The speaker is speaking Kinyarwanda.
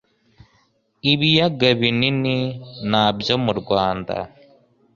Ibiyaga binini ntabyo murwanda